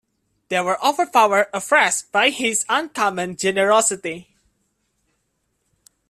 They were overpowered afresh by his uncommon generosity.